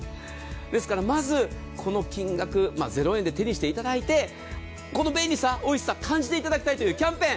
ですから、まずこの金額０円で手にしていただいてこの便利さ、おいしさ感じていただきたいというキャンペーン。